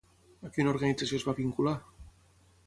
A quina organització es va vincular?